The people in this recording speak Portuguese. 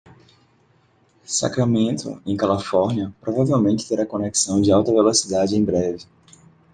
Sacramento, em Calafornia, provavelmente terá conexão de alta velocidade em breve.